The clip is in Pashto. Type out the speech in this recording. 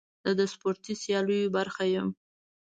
زه د سپورتي سیالیو برخه یم.